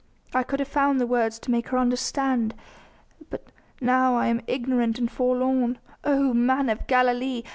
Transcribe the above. I could have found the words to make her understand.... But now I am ignorant and forlorn.... Oh, Man of Galilee!